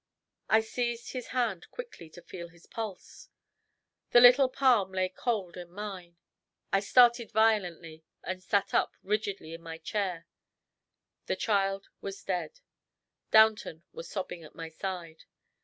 I seized his hand quickly to feel his pulse. The little palm lay cold in mine. I started violently and sat up rigidly in my chair. The child was dead. Downton was sobbing at my side.